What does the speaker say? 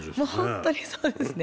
本当にそうですね。